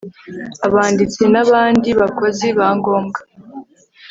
abanditsi n abandi bakozi ba ngombwa